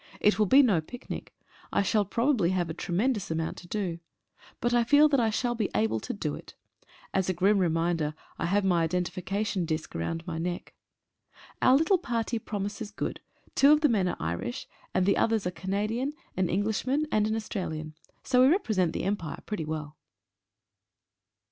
It will be no picnic — I shall probably have a tremendous amount to do — but I feel that I shall be able to do it. As a grim reminder I have my identification disc round my neck. Our little party promises good — two of the men are Irish, and the others a Canadian, an Englishman, and an Australian. So we represent the Empire pretty well.